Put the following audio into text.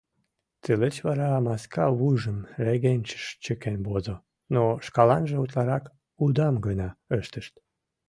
Тылеч вара маска вуйжым регенчыш чыкен возо — но шкаланже утларак удам гына ыштыш.